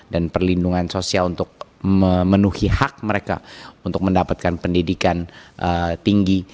dan perlindungan sosial untuk memenuhi hak mereka untuk mendapatkan pendidikan tinggi